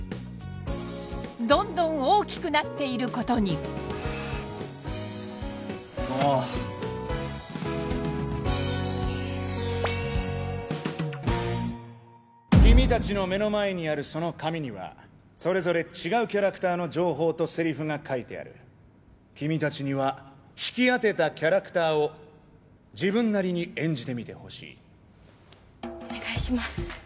どんどん大きくなっていることにああもう君達の目の前にあるその紙にはそれぞれ違うキャラクターの情報とセリフが書いてある君達には引き当てたキャラクターを自分なりに演じてみてほしいお願いします